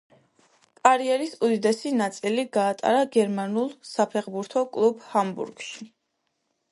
კარიერის უდიდესი ნაწილი გაატარა გერმანულ საფეხბურთო კლუბ ჰამბურგში.